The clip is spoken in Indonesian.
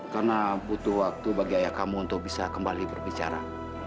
karena butuh waktu bagi ayah kamu untuk bisa kembali berbicara